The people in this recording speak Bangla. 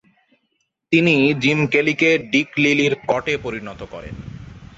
তিনি জিম কেলিকে ডিক লিলি’র কটে পরিণত করেন।